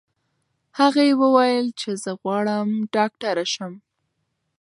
هغې وویل چې زه غواړم ډاکټره شم.